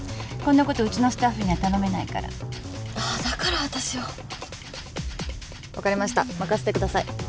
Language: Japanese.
こんなことうちのスタッフには頼めないからあっだから私を分かりました任せてください